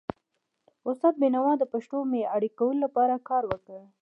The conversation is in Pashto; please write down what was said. استاد بینوا د پښتو د معیاري کولو لپاره کار وکړ.